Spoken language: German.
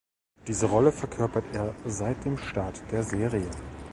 Diese Rolle verkörpert er seit dem Start der Serie.